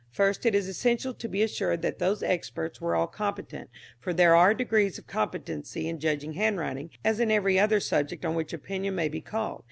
First it is essential to be assured that those experts were all competent, for there are degrees of competency in judging handwriting as in every other subject on which opinion may be called.